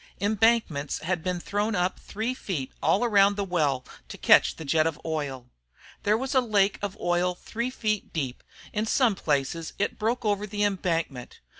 Embankments had been thrown up three feet all around the well to catch the jet of oil. There was a lake of oil three feet deep; in some places it broke over the embankment.